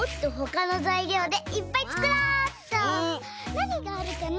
なにがあるかな？